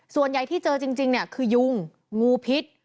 ส่วนใหญ่ที่เจอจริงเนี่ยคือยุงงูพิษ